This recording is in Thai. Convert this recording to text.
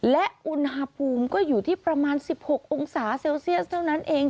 และอุณหภูมิก็อยู่ที่ประมาณ๑๖องศาเซลเซียสเท่านั้นเอง